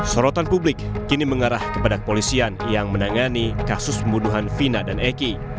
sorotan publik kini mengarah kepada kepolisian yang menangani kasus pembunuhan vina dan eki